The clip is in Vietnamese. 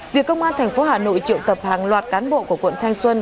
việc công an thành phố hà nội triệu tập hàng loạt cán bộ của quận thanh xuân